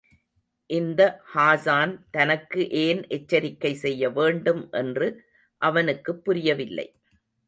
இந்த ஹாஸான் தனக்கு ஏன் எச்சரிக்கை செய்யவேண்டும் என்று அவனுக்குப் புரியவில்லை.